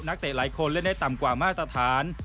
เตะหลายคนเล่นได้ต่ำกว่ามาตรฐาน